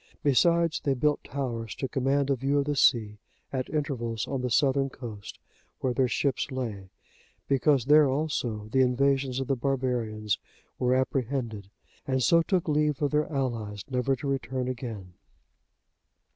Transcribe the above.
Besides, they built towers to command a view of the sea, at intervals, on the southern coast, where their ships lay, because there also the invasions of the barbarians were apprehended, and so took leave of their allies, never to return again.